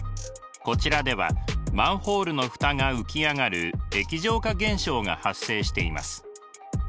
こちらではマンホールのふたが浮き上がる液状化現象が発生しています。